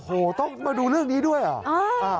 โอ้โหต้องมาดูเรื่องนี้ด้วยเหรอ